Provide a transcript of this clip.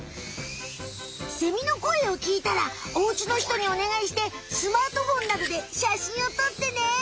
セミのこえをきいたらおうちのひとにおねがいしてスマートフォンなどで写真を撮ってね。